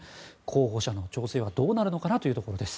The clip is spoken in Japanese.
候補者の調整はどうなるのかということです。